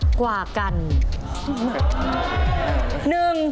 เปลี่ยนตัวเองกันสิเปลี่ยนตัวเองกันสิ